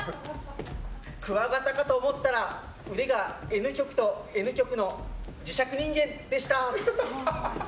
クワガタかと思ったら腕がＮ極とＳ極の磁石人間でした！